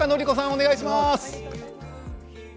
お願いします。